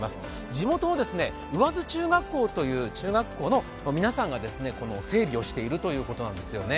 地元の上津中学校という中学校の皆さんが整備をしているということなんですね。